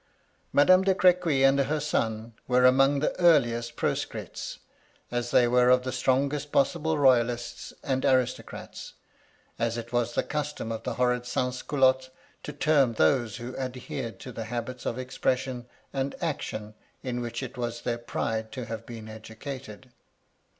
" Madame de Crequy and her son were among the earliest proscrits, as they were of the strongest possible royalists, and aristocrats, as it was the custom of the horrid Sansculottes to term those who adhered to the habits of expression and action in which it was their pride to have been educated.